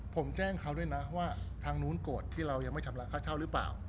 ผมแจ้งเขาด้วยนะว่าทางนู้นโกรธที่เรายังไม่ชำระค่าเช่าหรือเปล่า